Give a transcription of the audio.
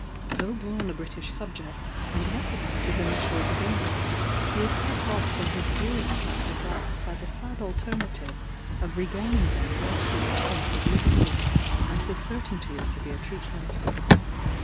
Though born a British subject, and resident within the shores of England, he is cut off from his dearest natural rights by the sad alternative of regaining them at the expence of liberty, and the certainty of severe treatment.